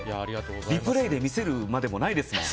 リプレイで見せるまでもないですもん。